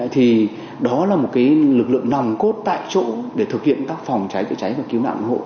thì đó là một lực lượng nòng cốt tại chỗ để thực hiện các phòng cháy chữa cháy và cứu nạn hộ